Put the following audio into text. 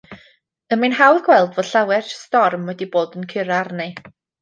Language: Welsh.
Y mae'n hawdd gweld fod llawer storm wedi bod yn curo arni.